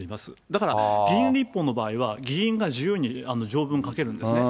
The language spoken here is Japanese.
だから、議員立法の場合は、議員が自由に条文書けるんですね。